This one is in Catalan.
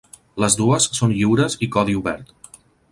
Les dues són lliures i codi obert.